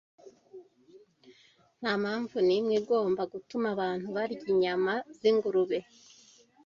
Nta mpamvu n’imwe igomba gutuma abantu barya inyama z’ingurube.